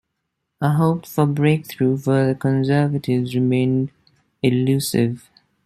A hoped-for breakthrough for the Conservatives remained elusive.